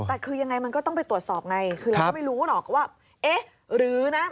แต่คือยังไงมันก็ต้องไปตรวจสอบไงคือเราก็ไม่รู้หรอกว่าเอ๊ะหรือนะ